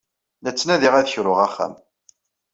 La ttnadiɣ ad kruɣ axxam.